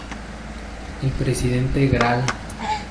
El presidente Gral.